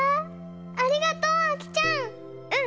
ありがとうあきちゃん！